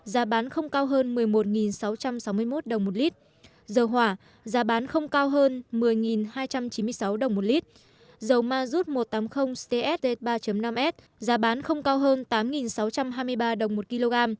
giá bán không cao hơn một mươi một sáu trăm sáu mươi một đồng một lít dầu hỏa giá bán không cao hơn một mươi hai trăm chín mươi sáu đồng một lít dầu ma rút một trăm tám mươi cs ba năm s giá bán không cao hơn tám sáu trăm hai mươi ba đồng một kg